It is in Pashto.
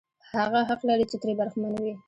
هغه حق لري چې ترې برخمن وي.